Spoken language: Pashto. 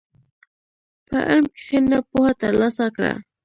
په علم کښېنه، پوهه ترلاسه کړه.